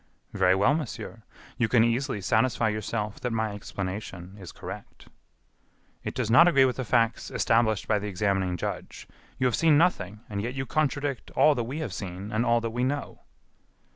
"Very well, monsieur, you can easily satisfy yourself that my explanation is correct." "It does not agree with the facts established by the examining judge. You have seen nothing, and yet you contradict all that we have seen and all that we know."